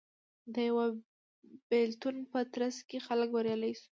د یوه بېلتون په ترڅ کې خلک بریالي شول